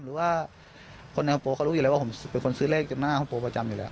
หรือว่าคนฮงโปรเขารู้อยู่แล้วว่าผมเป็นคนซื้อเลขจากหน้าห้องโปรประจำอยู่แล้ว